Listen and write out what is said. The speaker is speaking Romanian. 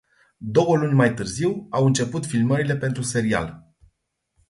Două luni mai târziu au început filmările pentru serial.